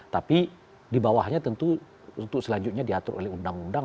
tapi di bawahnya tentu untuk selanjutnya diatur oleh undang undang